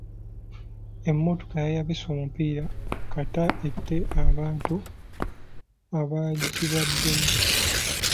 Emmotoka yayabise omupiira kata ette abantu abaagibaddemu.